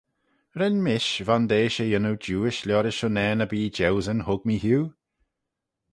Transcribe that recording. Ren mish vondeish y yannoo jiuish liorish unnane erbee jeusyn hug mee hiu?